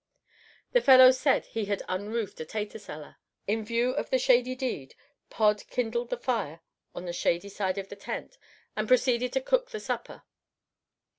The fellow said he had unroofed a tater cellar. In view of the shady deed, Pod kindled the fire on the shady side of the tent and proceeded to cook the supper.